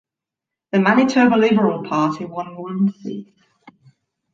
The Manitoba Liberal Party won one seat.